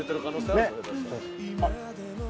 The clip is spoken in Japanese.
あっ！